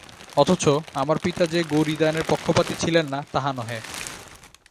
অথচ, আমার পিতা যে গৌরীদানের পক্ষপাতী ছিলেন না তাহা নহে।